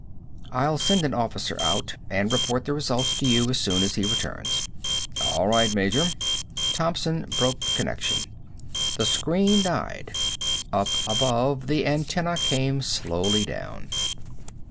"I'll send an officer out. And report the results to you as soon as he returns." "All right, Major." Thompson broke the connection. The screen died. Up above, the antenna came slowly down.